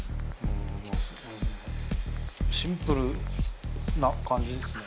シンプルな感じですね。